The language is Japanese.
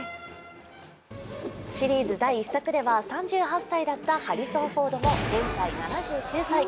シリーズ第１作では３８歳だったハリソン・フォードも現在７９歳。